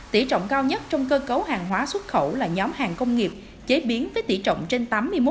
tỉ trọng cao nhất trong cơ cấu hàng hóa xuất khẩu là nhóm hàng công nghiệp chế biến với tỷ trọng trên tám mươi một